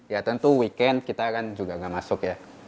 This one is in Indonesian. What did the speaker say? ya tentu weekend kita kan juga nggak masuk ya